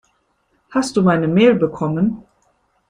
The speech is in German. Hast du meine Mail bekommen?